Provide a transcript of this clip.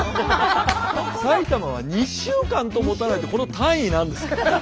埼玉は２週間ともたないってこの単位何ですか？